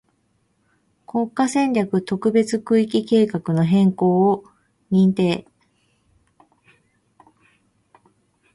国家戦略特別区域計画の変更を認定